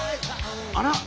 あら！